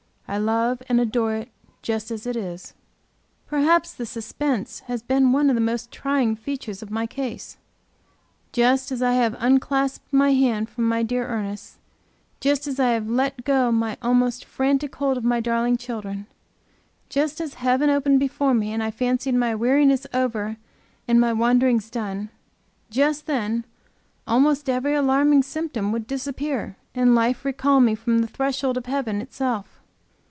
I love and adore it just as it is. Perhaps the suspense has been one of the most trying features of my case. Just as I have unclasped my hand from my dear Ernest's; just as I have let go my almost frantic hold of my darling children; just as heaven opened before me and I fancied my weariness over and my wanderings done; just then almost every alarming symptom would disappear and life recall me from the threshold of heaven itself.